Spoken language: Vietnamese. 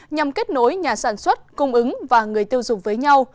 nhằm kết nối nhà sản xuất cung ứng và người tiêu dùng với nhau